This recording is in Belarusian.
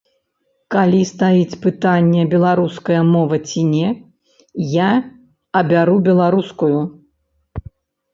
Калі стаіць пытанне, беларуская мова ці не, я абяру беларускую.